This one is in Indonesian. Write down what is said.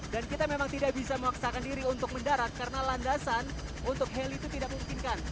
dan kita memang tidak bisa mewaksakan diri untuk mendarat karena landasan untuk heli itu tidak memungkinkan